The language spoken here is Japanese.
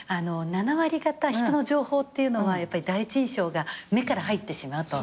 ７割方人の情報っていうのは第一印象が目から入ってしまうと。